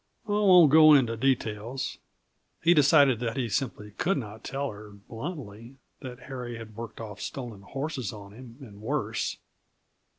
I won't go into details." He decided that he simply could not tell her bluntly that Harry had worked off stolen horses on him, and worse.